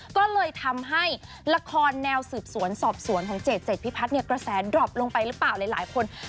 ก็เลยทำให้ละครแนวสืบสวนสอบสวนของเจดเจ็ดพิพัฒน์เนี่ยกระแสดรอปลงไปหรือเปล่าหลายคน